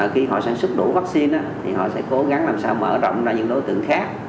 khi họ sản xuất đủ vaccine thì họ sẽ cố gắng làm sao mở rộng ra những đối tượng khác